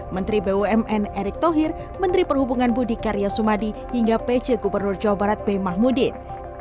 menteri bumn erick thohir menteri perhubungan budi karya sumadi hingga pc gubernur jawa barat b mahmudin